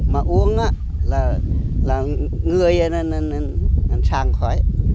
mà uống là ngươi sáng khói